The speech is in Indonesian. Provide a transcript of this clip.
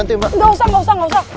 udah usah gak usah